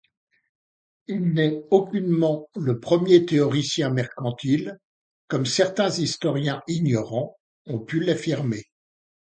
Il n'est aucunement le premier théoricien mercantile comme certains historiens ignorants ont pu l'affirmer.